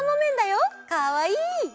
かわいい！